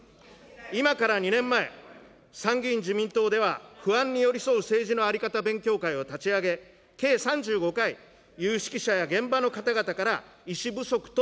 今から２年前、参議院自民党では、不安に寄り添う政治のあり方勉強会を立ち上げ、計３５回、有識者や現場の方々から医師不足等